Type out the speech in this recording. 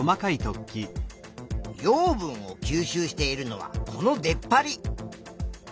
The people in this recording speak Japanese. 養分を吸収しているのはこの出っ張り。